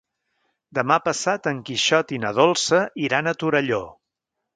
Demà passat en Quixot i na Dolça iran a Torelló.